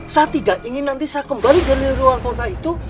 saya tidak ingin nanti saya kembali dari luar kota itu